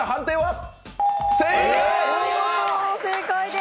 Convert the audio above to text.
正解！